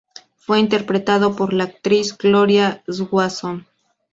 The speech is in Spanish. Fue interpretado por la actriz Gloria Swanson.